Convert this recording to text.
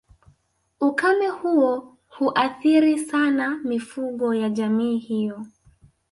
Ukame huo huathiri sana mifugo ya jamii hiyo